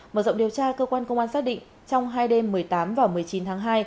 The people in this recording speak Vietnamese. mở rộng điều tra cơ quan công an xác định trong hai đêm một mươi tám và một mươi chín tháng hai